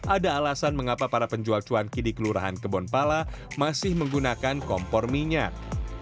ada alasan mengapa para penjual cuanki di kelurahan kebonpala masih menggunakan kompor minyak